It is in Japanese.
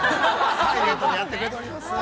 サイレントでやってくれております。